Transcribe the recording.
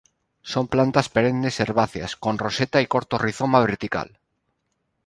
Son plantas perennes herbáceas con roseta y corto rizoma vertical.